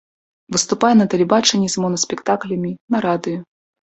Выступае на тэлебачанні з монаспектаклямі, на радыё.